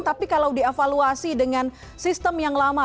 tapi kalau dievaluasi dengan sistem yang lama